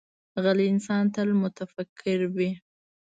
غلی انسان، تل متفکر وي.